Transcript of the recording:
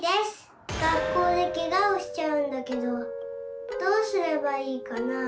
学校でケガをしちゃうんだけどどうすればいいかなあ？